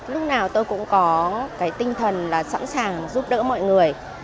lúc nào tôi cũng có tinh thần sẵn sàng giúp đỡ mọi người